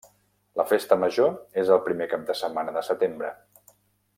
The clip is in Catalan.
La Festa Major és el primer cap de setmana de setembre.